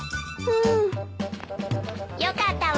うん。よかったわね